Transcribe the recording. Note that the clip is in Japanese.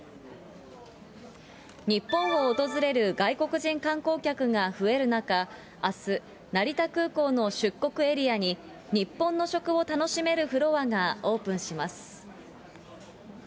日本を訪れる外国人観光客が増える中、あす、成田空港の出国エリアに、日本の食を楽しめるフロアがオープンします。